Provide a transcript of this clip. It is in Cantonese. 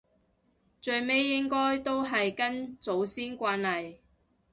最尾應該都係跟祖先慣例